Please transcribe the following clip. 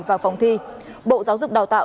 và phòng thi bộ giáo dục đào tạo